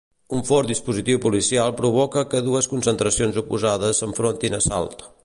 Un fort dispositiu policial provoca que dues concentracions oposades s'enfrontin a Salt.